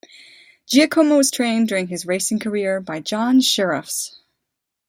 Giacomo was trained during his racing career by John Shirreffs.